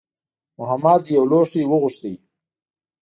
محمد یو لوښی وغوښت.